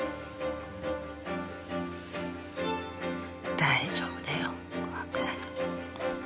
大丈夫だよ怖くない。